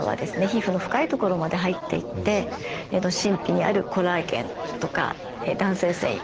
皮膚の深いところまで入っていって真皮にあるコラーゲンとか弾性繊維。